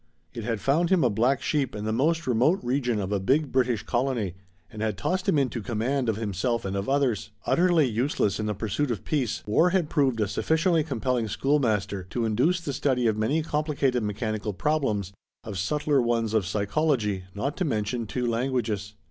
It had found him a black sheep in the most remote region of a big British colony and had tossed him into command of himself and of others. Utterly useless in the pursuit of peace, war had proved a sufficiently compelling schoolmaster to induce the study of many complicated mechanical problems, of subtler ones of psychology, not to mention two languages.